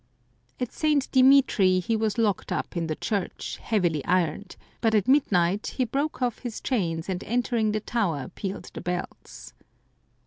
At St. Dimitri he was locked up in the church, heavily ironed ; but at midnight he broke off his chains, and entering the tower pealed the bells.